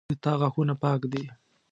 د تا غاښونه پاک دي